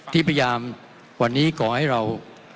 ที่พยายามวันนี้ขอให้เรา